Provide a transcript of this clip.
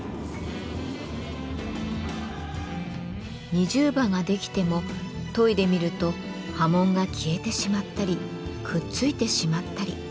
二重刃が出来ても研いでみると刃文が消えてしまったりくっついてしまったり。